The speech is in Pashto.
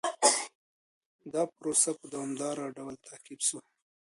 دا پروسه په دوامداره ډول تعقيب سوه.